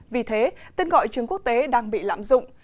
vì thế tên gọi trường quốc tế đang bị lạm dụng